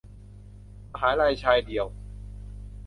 มาลัยชายเดียว